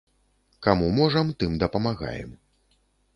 Каму можам, тым дапамагаем.